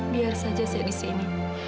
biar saja saya di sini